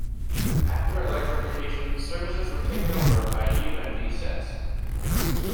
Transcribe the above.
After electrification, services were taken over by U and V sets.